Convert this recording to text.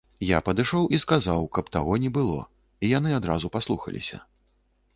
Я падышоў і сказаў, каб таго не было, і яны адразу паслухаліся.